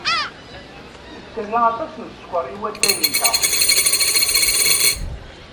Nettarra aṭas n sskeṛ i watay-nteɣ.